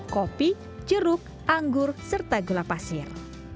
kopi jeruk anggur serta gula pasir